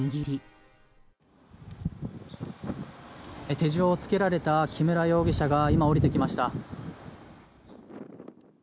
手錠をつけられた木村容疑者が今、降りてきました。